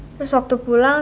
terus waktu pulang